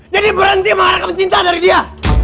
jadi berhenti mengharapkan cinta dari dia